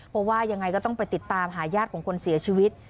เพราะว่ายังไงก็ต้องไปติดตามหาญาติของคนเสียชีวิต